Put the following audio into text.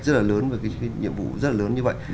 rất là lớn và nhiệm vụ rất là lớn như vậy